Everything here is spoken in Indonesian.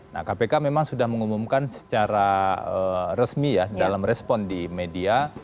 nah kpk memang sudah mengumumkan secara resmi ya dalam respon di media